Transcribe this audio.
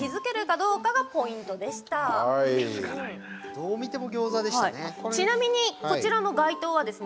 どう見てもギョーザでしたね。